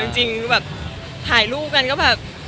จริงแบบถ่ายรูปกันก็แบบ